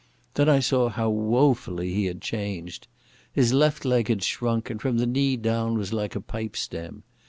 Then I saw how woefully he had changed. His left leg had shrunk, and from the knee down was like a pipe stem.